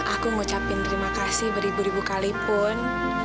aku ngucapin terima kasih beribu ribu kalipun